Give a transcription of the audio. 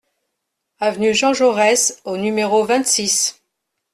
AV JEAN JAURES au numéro vingt-six